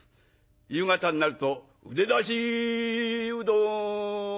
夕方になると「ゆでだしうどん」。